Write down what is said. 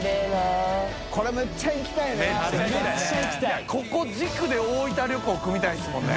いやここ軸で大分旅行組みたいですもんね。